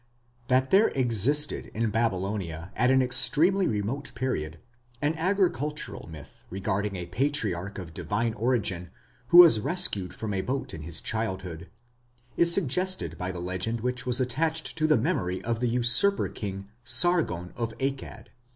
That there existed in Babylonia at an extremely remote period an agricultural myth regarding a Patriarch of divine origin who was rescued from a boat in his childhood, is suggested by the legend which was attached to the memory of the usurper King Sargon of Akkad.